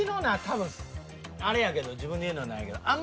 多分あれやけど自分で言うの何やけどああ。